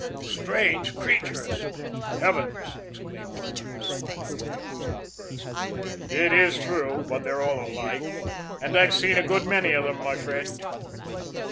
Strange creatures!" "Heavens!" exclaimed the colonel, smiling at the other's outburst. "It is true, but they're all alike, and I've seen a good many of them, my friend."